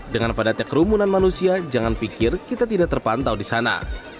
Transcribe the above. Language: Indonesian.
dengan padatnya kerumunan manusia jangan pikir kita tidak terpantau di sana